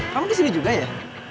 kamu di sini juga ya